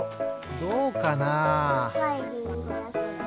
どうかな？